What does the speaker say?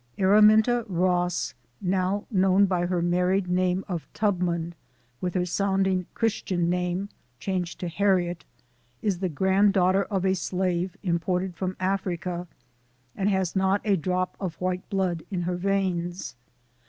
" Araminta Ross, now known by her married name of Tubman, with her sounding Christian name changed to Harriet, is the grand daughter of a slave imported from Africa, and has not a drop of white blood in her veins.